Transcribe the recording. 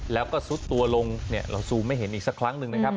แล้วก็ซุดตัวลงเราซูมให้เห็นอีกสักครั้งหนึ่งนะครับ